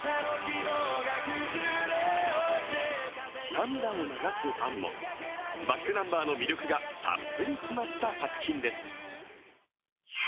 涙を流すファンも、ｂａｃｋｎｕｍｂｅｒの魅力がたっぷり詰まった作品です。